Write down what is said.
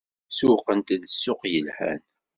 Sewwqent-d ssuq yelhan.